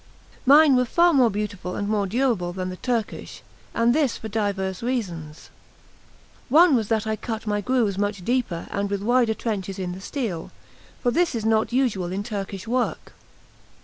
Mine were far more beautiful and more durable than the Turkish, and this for divers reasons. One was that I cut my grooves much deeper and with wider trenches in the steel; for this is not usual in Turkish work.